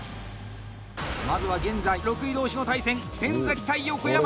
まずは現在６位同士の対戦先崎対横山。